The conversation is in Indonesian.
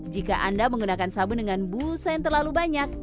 jika anda menggunakan sabun dengan busa yang terlalu banyak